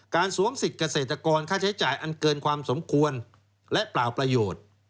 สวมสิทธิ์เกษตรกรค่าใช้จ่ายอันเกินความสมควรและเปล่าประโยชน์